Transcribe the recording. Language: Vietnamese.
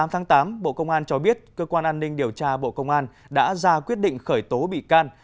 một mươi tháng tám bộ công an cho biết cơ quan an ninh điều tra bộ công an đã ra quyết định khởi tố bị can